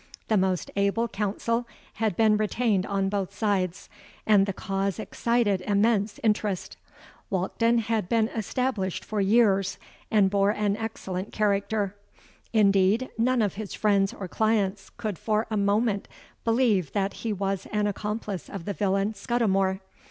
The most able counsel had been retained on both sides; and the cause excited immense interest. Walkden had been established for years, and bore an excellent character: indeed, none of his friends or clients could for a moment believe that he was an accomplice of the villain Scudimore.